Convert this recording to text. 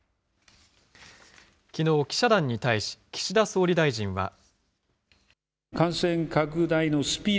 きのう、記者団に対し、岸田総理大臣は。